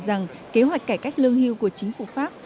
rằng kế hoạch cải cách lương hưu của chính phủ pháp